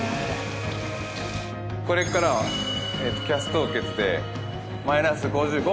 これからＣＡＳ凍結でマイナス５５まで。